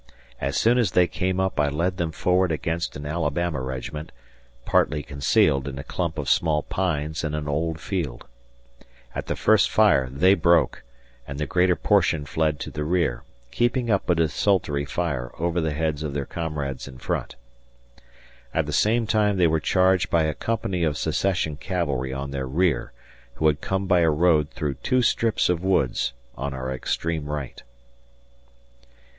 As soon as they came up I led them forward against an Alabama regiment, partly concealed in a clump of small pines in an old field. At the first fire they broke and the greater portion fled to the rear, keeping up a desultory fire over the heads of their comrades in front. At the same time they were charged by a company of Secession cavalry on their rear, who had come by a road through two strips of woods on our extreme right.